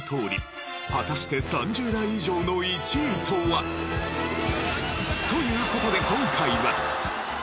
果たして３０代以上の１位とは？という事で今回は。